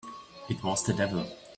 It was the devil!